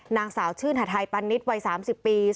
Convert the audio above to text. นางสาวชื่นหาทัยปันนิษฐ์วัย๓๐ปี